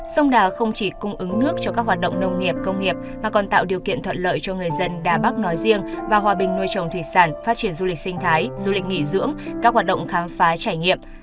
sông đà không chỉ cung ứng nước cho các hoạt động nông nghiệp công nghiệp mà còn tạo điều kiện thuận lợi cho người dân đà bắc nói riêng và hòa bình nuôi trồng thủy sản phát triển du lịch sinh thái du lịch nghỉ dưỡng các hoạt động khám phá trải nghiệm